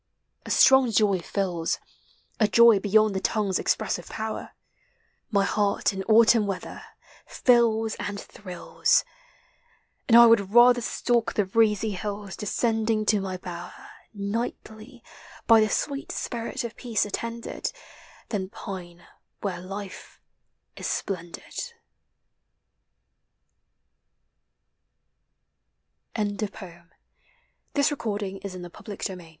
A strong joy fills (A joy beyond the tongue's expressive power) My heart in Autumn weather — fills and thrills! And I would rather stalk the breezy hills Descending to my bower Nightly, by the sweet spirit of Peace attended, Than pine where life is splendid.